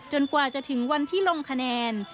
กว่าจะถึงวันที่ลงคะแนน